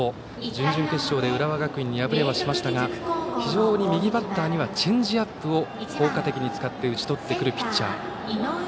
準々決勝で浦和学院に敗れはしましたが右バッターにはチェンジアップを効果的に使って打ちとってくるピッチャーです。